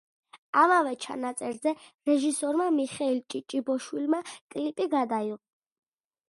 ამავე ჩანაწერზე რეჟისორმა მიხეილ ჭიჭიბოშვილმა კლიპი გადაიღო.